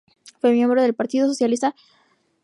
Fue miembro del Partido Socialista.